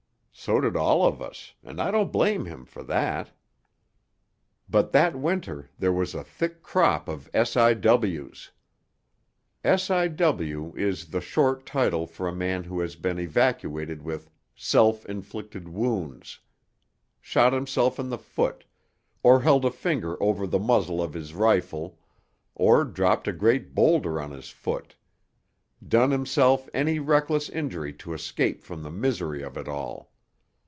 So did all of us, and I don't blame him for that. But that winter there was a thick crop of S.I.W.'s. S.I.W. is the short title for a man who has been evacuated with self inflicted wounds shot himself in the foot, or held a finger over the muzzle of his rifle, or dropped a great boulder on his foot done himself any reckless injury to escape from the misery of it all.